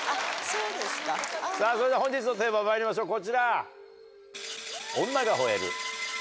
それでは本日のテーマまいりましょうこちら。